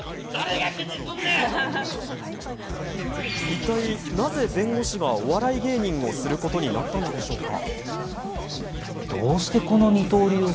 一体なぜ、弁護士がお笑い芸人をすることになったんでしょうか。